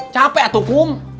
capek tuh kum